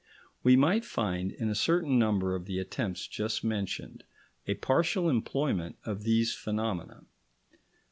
We might find, in a certain number of the attempts just mentioned, a partial employment of these phenomena.